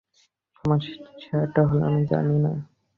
সমস্যাটা হল, আমি জানি না।